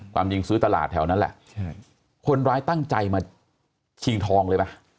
ความจริงซื้อตลาดแถวนั้นแหละใช่คนร้ายตั้งใจมาชิงทองเลยป่ะ